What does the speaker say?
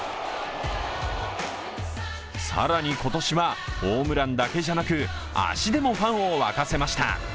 更に今年は、ホームランだけじゃなく足でもファンを沸かせました。